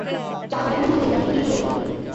চার ভাই বোনের মধ্যে তিনি তৃতীয়।